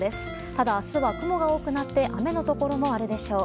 ただ明日は雲が多くなって雨のところもあるでしょう。